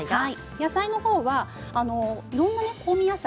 野菜はいろんな香味野菜。